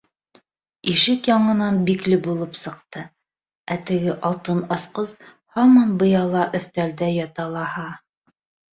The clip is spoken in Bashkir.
Ишек яңынан бикле булып сыҡты, ә теге алтын асҡыс һаман быяла өҫтәлдә ята лаһа.